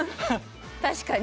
確かに。